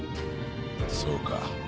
そうか。